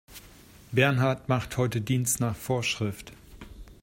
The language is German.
Bernhard macht heute Dienst nach Vorschrift.